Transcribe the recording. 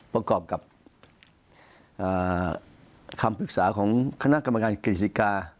ประกอบกับคำปรึกษาของคณะกรรมการกฤษฎิกา